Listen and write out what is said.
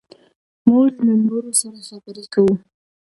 موږ له نورو سره خبرې کوو.